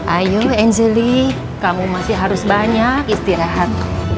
ayo angelie kamu masih harus banyak istirahat